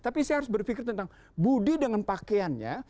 tapi saya harus berpikir tentang budi dengan pakaiannya